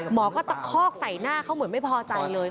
หมอก็ตะคอกใส่หน้าเขาเหมือนไม่พอใจเลย